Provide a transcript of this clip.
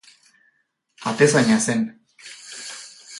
Atezaina zen.